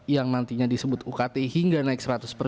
yang nantinya disebut ukt hingga naik seratus